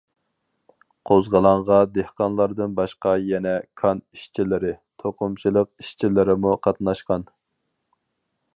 قوزغىلاڭغا دېھقانلاردىن باشقا يەنە كان ئىشچىلىرى، توقۇمىچىلىق ئىشچىلىرىمۇ قاتناشقان.